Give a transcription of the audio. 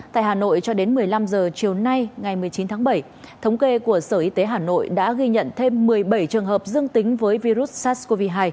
tại hà nội cho đến một mươi năm h chiều nay ngày một mươi chín tháng bảy thống kê của sở y tế hà nội đã ghi nhận thêm một mươi bảy trường hợp dương tính với virus sars cov hai